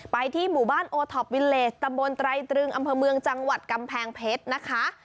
ที่หมู่บ้านโอท็อปวิเลสตำบลไตรตรึงอำเภอเมืองจังหวัดกำแพงเพชรนะคะ